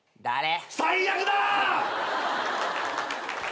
誰？